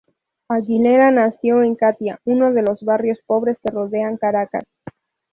Aguilera nació en Catia, uno de los barrios pobres que rodean Caracas.